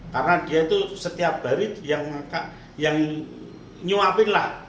karena dia itu setiap hari yang nyuapin lah